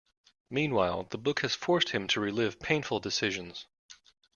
Meanwhile, the book has forced him to relive painful decisions.